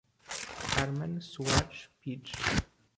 Carmem Soares Pires